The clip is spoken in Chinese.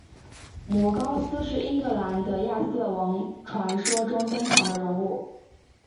摩高斯是英格兰的亚瑟王传说中登场的人物。